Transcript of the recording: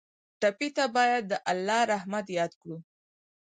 ټپي ته باید د الله رحمت یاد کړو.